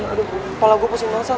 aduh kepala gue pusing banget san